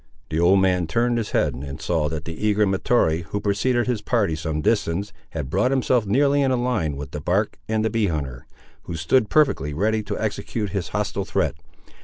The old man turned his head, and saw that the eager Mahtoree, who preceded his party some distance, had brought himself nearly in a line with the bark and the bee hunter, who stood perfectly ready to execute his hostile threat.